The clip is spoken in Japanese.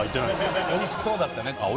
おいしそうだったねって。